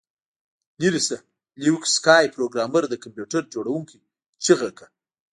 لیرې شه لیوک سکای پروګرامر د کمپیوټر جوړونکي چیغه کړه